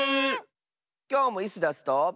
きょうもイスダスと。